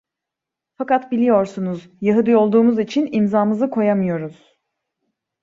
Fakat biliyorsunuz, Yahudi olduğumuz için imzamızı koyamıyoruz!